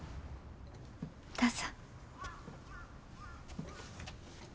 どうぞ。